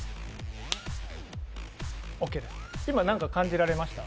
ＯＫです、今何か感じられました？